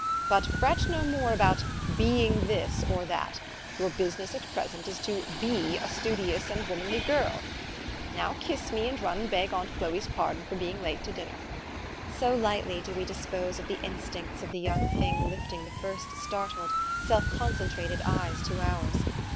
But fret no more about ' be ing ' this or that. Your business at present is to 4 be ' a studious and womanly girl. Now kiss me, and run and beg aunt Chloe's pardou for being late to dinner." So lightly do we dispose of the instincts of the young thing lifting the first startled, self concentrated eyes to ours.